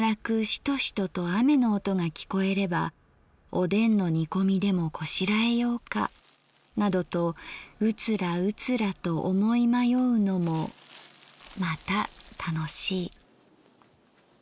シトシトと雨の音がきこえればおでんの煮込みでもこしらえようかなどとうつらうつらと思い迷うのもまた楽しい」。